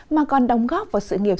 mà còn đóng góp vào sự nghiệp